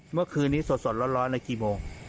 เมื่อคืนนี้สดร้อนในกี่โมง